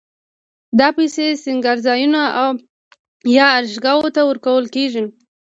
دا پیسې سینګارځایونو یا آرایشګاوو ته ورکول کېږي